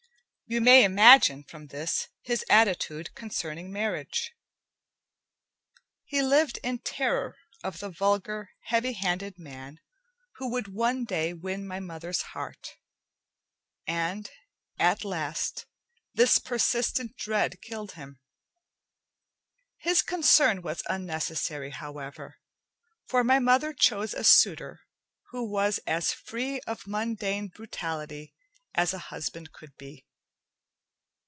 You may imagine from this his attitude concerning marriage. He lived in terror of the vulgar, heavy handed man who would one day win my mother's heart, and at last, this persistent dread killed him. His concern was unnecessary, however, for my mother chose a suitor who was as free of mundane brutality as a husband could be.